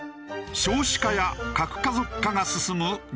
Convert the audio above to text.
少子化や核家族化が進む日本。